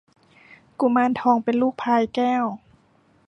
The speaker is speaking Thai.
กุมารทองเป็นลูกพลายแก้ว